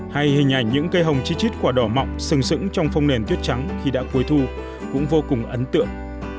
hay hình ảnh những cây hồng chi chít quả đỏ mọng sừng sững trong phong nền tuyết trắng khi đã cuối thu cũng vô cùng ấn tượng